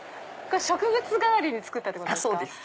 植物代わりに作ったんですか？